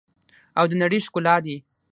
او د نړۍ ښکلا دي.